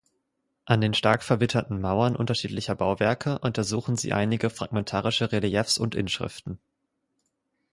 An den stark verwitterten Mauern unterschiedlicher Bauwerke untersuchen sie einige fragmentarische Reliefs und Inschriften.